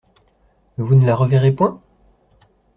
Vous ne la reverrez point?